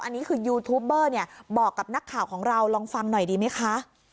อันนี้คือยูทูปเบอร์เนี่ยบอกกับนักข่าวของเราลองฟังหน่อยดีไหมคะ